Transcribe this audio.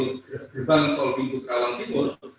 gerbang tol pintu rawang timur